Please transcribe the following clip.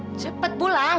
udah cepet pulang